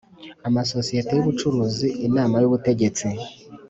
amasosiyete y ubucuruzi Inama y Ubutegetsi